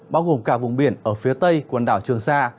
bao gồm cả vùng biển ở phía tây quần đảo trường sa